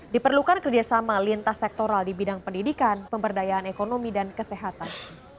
diperlukan kerjasama lintas sektoral di bidang pendidikan pemberdayaan ekonomi dan kesehatan